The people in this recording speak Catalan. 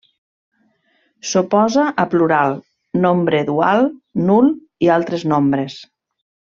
S'oposa a plural, nombre dual, nul i altres nombres.